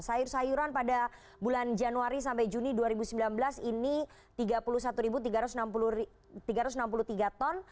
sayur sayuran pada bulan januari sampai juni dua ribu sembilan belas ini tiga puluh satu tiga ratus enam puluh tiga ton